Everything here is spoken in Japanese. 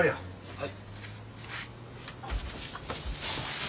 はい。